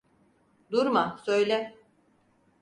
Durma, söyle.